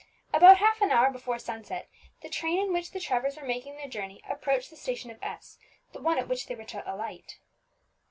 About half an hour before sunset, the train in which the Trevors were making their journey approached the station of S , the one at which they were to alight.